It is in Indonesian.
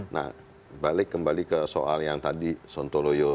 nah balik kembali ke soal yang tadi sontoloyo